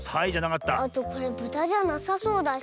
あとこれブタじゃなさそうだし。